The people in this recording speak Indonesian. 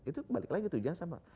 itu balik lagi tujuan sama